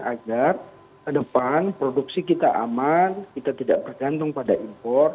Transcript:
agar ke depan produksi kita aman kita tidak bergantung pada impor